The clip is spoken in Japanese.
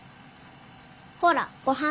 ほらごはんつぶ。